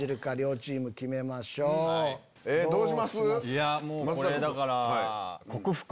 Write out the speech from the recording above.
いやこれだから。